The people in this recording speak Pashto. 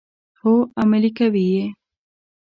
هو، عملي کوي یې.